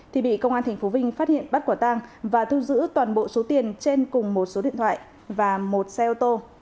thì bị công an tp vinh phát hiện bắt quả tang và thu giữ toàn bộ số tiền trên cùng một số điện thoại và một xe ô tô